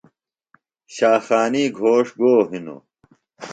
شاخانی گھوݜٹ گو ہِنوۡ؟